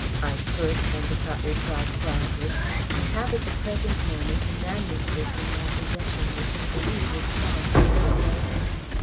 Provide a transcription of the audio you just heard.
"I could," Endacott replied quietly. "I have at the present moment a manuscript in my possession which I believe would solve the riddle."